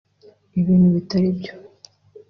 ibintu bitari byo (…)